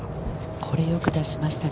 これ、よく出しましたね。